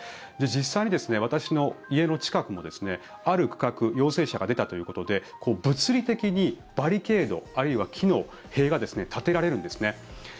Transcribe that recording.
実際に私の家の近くの、ある区画陽性者が出たということで物理的にバリケードあるいは木の塀が立てられるんですね。